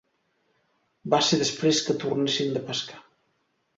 Va ser després que tornessin de pescar.